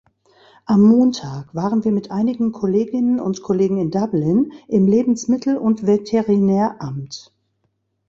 Am Montag waren wir mit einigen Kolleginnen und Kollegen in Dublin im Lebensmittel- und Veterinäramt.